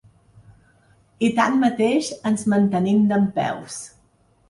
I tanmateix ens mantenim dempeus.